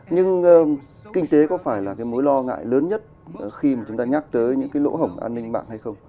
nhưng kinh tế có phải là cái mối lo ngại lớn nhất khi mà chúng ta nhắc tới những cái lỗ hổng an ninh mạng hay không